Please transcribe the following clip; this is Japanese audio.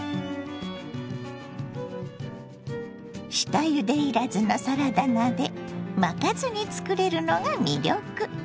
下ゆでいらずのサラダ菜で巻かずに作れるのが魅力。